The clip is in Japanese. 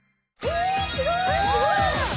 えすごい！